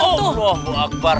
oh allah allah akbar